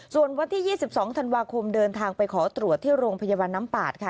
ส่วนวันที่๒๒ธันวาคมเดินทางไปขอตรวจที่โรงพยาบาลน้ำปาดค่ะ